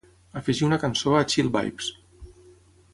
afegir una cançó a Chill Vibes